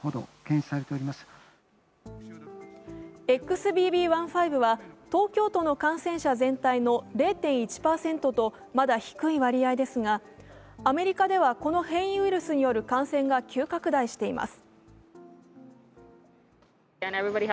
ＸＢＢ．１．５は東京都の感染者全体の０．１％とまだ低い割合ですがアメリカではこの変異ウイルスによる感染が急拡大しています。